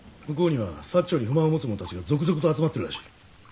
向こうには長に不満を持つ者たちが続々と集まってるらしい。